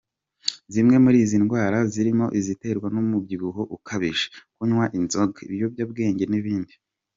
Zimwe muri izi ndwara zirimo iziterwa n’umubyiho ukabije, kunywa inzoga, ibiyobyabwenge n’ibindi.